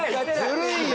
ずるいよ！